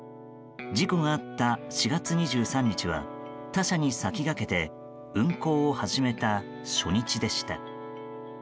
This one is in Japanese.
事故があった４月２３日は他社に先駆けて運航を始めた初日でした。